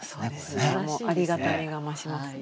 もうありがたみが増しますね。